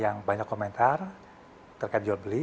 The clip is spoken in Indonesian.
yang banyak komentar terkait jual beli